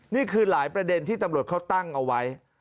นี่คือหลายประเด็นที่ตำรวจเขาตั้งเอาไว้